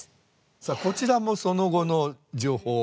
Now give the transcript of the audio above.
さあこちらもその後の情報。